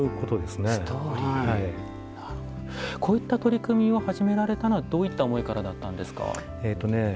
こういった取り組みを始められたのはどういった思いからなんですか？